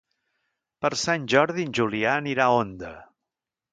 Per Sant Jordi en Julià anirà a Onda.